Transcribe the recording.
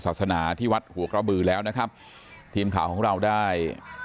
ศาสนาที่วัดหัวกระบือแล้วนะครับทีมข่าวของเราได้